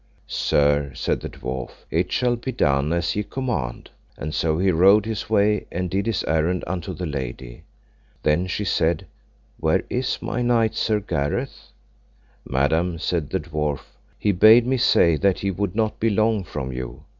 Sir, said the dwarf, it shall be done as ye command: and so he rode his way, and did his errand unto the lady. Then she said, Where is my knight, Sir Gareth? Madam, said the dwarf, he bade me say that he would not be long from you.